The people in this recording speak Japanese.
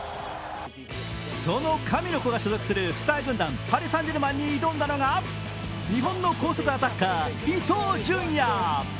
その神の子が所属するスター軍団パリ・サン＝ジェルマンに挑んだのが日本の光速アタッカー・伊東純也。